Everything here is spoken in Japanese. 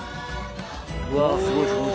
うわあすごいすごい。